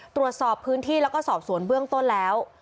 ตรวจสอบพื้นที่แล้วก็สอบสวนเบื้องต้นแล้ว